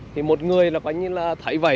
thì một người là coi như là thấy vậy